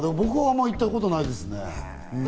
僕はあんまり行ったことないですね。